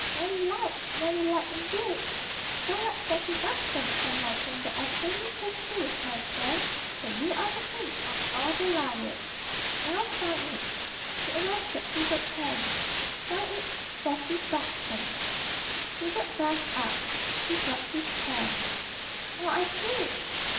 "Very like! very like indeed. So like Cecil Buxton's handwriting that I plainly perceive, my friend, that you are the prince of all the liars. Now sign it." He arrested Hubert's hand. "Sign it 'Cecil Buxton.'" Hubert glanced up. He dropped his pen. "Now I see!"